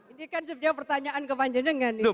ini kan sebenarnya pertanyaan kepanjangnya enggak nih